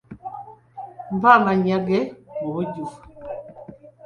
Mpa amannya ge mu bujjuvu?